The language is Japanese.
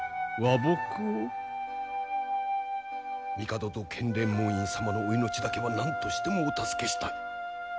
帝と建礼門院様のお命だけはなんとしてもお助けしたい！